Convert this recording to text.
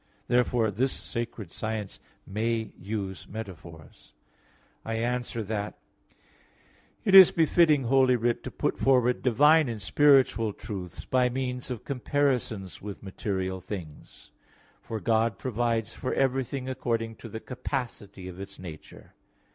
Therefore this sacred science may use metaphors. I answer that, It is befitting Holy Writ to put forward divine and spiritual truths by means of comparisons with material things. For God provides for everything according to the capacity of its nature.